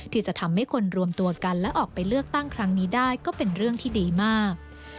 ที่จะทำให้คนรวมตัวกันและออกไปเลือกตั้งครั้งนี้ได้ก็เป็นเรื่องที่ดีมาก